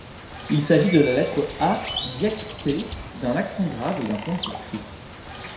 Il s’agit de la lettre A diacritée d’un accent grave et d’un point souscrit.